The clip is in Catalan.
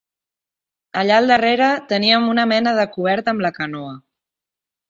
Allà al darrere teníem una mena de cobert amb la canoa.